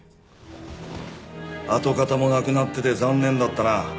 跡形もなくなってて残念だったな。